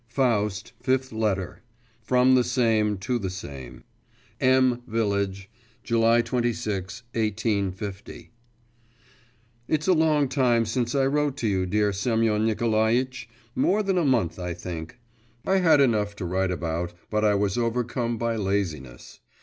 Good bye! Yours, P. B. FIFTH LETTER From the SAME to the SAME M VILLAGE, July 26, 1850. It's a long time since I wrote to you, dear Semyon Nicolaitch; more than a month, I think. I had enough to write about but I was overcome by laziness.